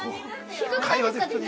◆低くないですか、天井。